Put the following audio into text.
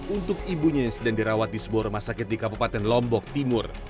untuk ibunya yang sedang dirawat di sebuah rumah sakit di kabupaten lombok timur